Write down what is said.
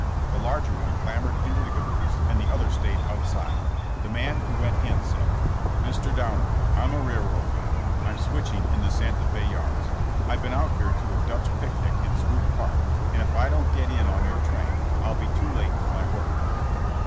The larger one clambered into the caboose and the other stayed out side. The man who went in said : *'Mr. Downer, I'm a railroad man, I'm switch ing in the Sante Fe yards. I've been out here to a Dutch picnic in Swope park and if I don't get in on your train I '11 be too late for my work.